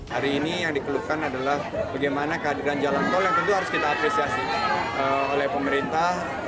hari ini yang dikeluhkan adalah bagaimana kehadiran jalan tol yang tentu harus kita apresiasi oleh pemerintah